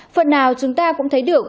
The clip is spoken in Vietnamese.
phần nào chúng ta cũng thấy được